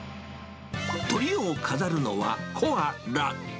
トリを飾るのは、コアラ。